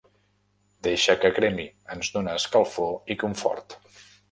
Deixa que cremi, ens dona escalfor i confort.